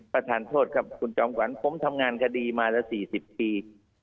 ประธานโทษครับคุณจอมขวัญผมทำงานคดีมาละ๔๐ปี